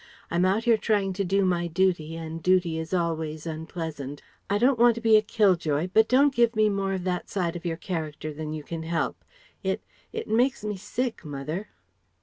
I'm out here trying to do my duty and duty is always unpleasant. I don't want to be a kill joy, but don't give me more of that side of your character than you can help. It it makes me sick, mother..."